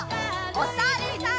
おさるさん。